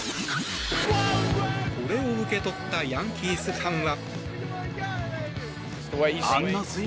これを受け取ったヤンキースファンは。